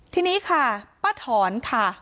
ทีนี้ค่ะป้าถอนค่ะ